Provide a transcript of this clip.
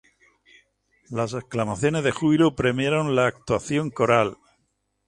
Las exclamaciones de júbilo premiaron la actuación coral.